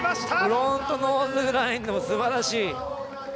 フロントノーズグラインドすばらしい。